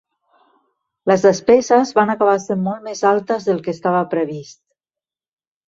Les despeses van acabar sent molt més altes del que estava previst.